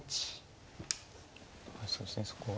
そうですねそこが。